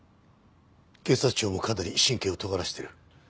警察庁もかなり神経を尖らせてる。